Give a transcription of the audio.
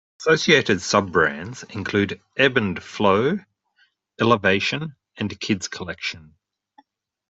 Associated sub-brands include Ebb and Flow, Elevation and Kids Collection.